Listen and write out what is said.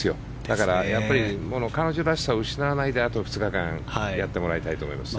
だからやっぱり彼女らしさを失わないであと２日間やってもらいたいと思います。